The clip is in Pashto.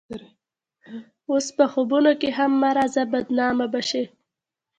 اوس په خوبونو کښې هم مه راځه بدنامه به شې